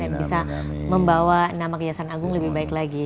dan bisa membawa nama kejaksaan agung lebih baik lagi